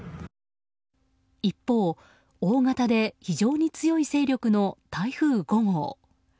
一方、大型で非常に強い勢力の台風５号。